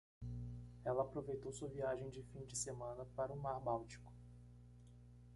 Ela aproveitou sua viagem de fim de semana para o mar báltico.